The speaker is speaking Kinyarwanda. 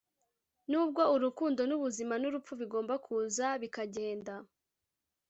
nubwo urukundo nubuzima nurupfu bigomba kuza bikagenda